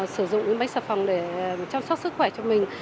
sử dụng những bánh sà phòng để chăm sóc sức khỏe cho mình